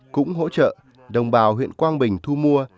cũng hỗ trợ đồng bào huyện quang bình thu mua